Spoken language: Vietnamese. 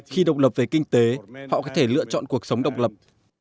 khi độc lập về kinh tế họ có thể lựa chọn cuộc sống độc lập